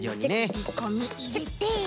きりこみいれて。